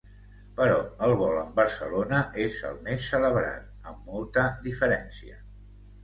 Però el vol amb Barcelona és el més celebrat, amb molta diferència.